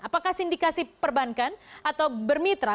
apakah sindikasi perbankan atau bermitra